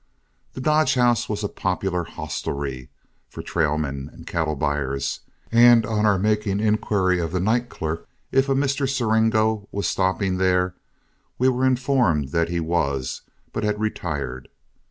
The Dodge House was a popular hostelry for trail men and cattle buyers, and on our making inquiry of the night clerk if a Mr. Siringo was stopping there, we were informed that he was, but had retired.